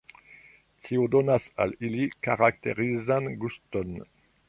Tio donas al ili karakterizan guston.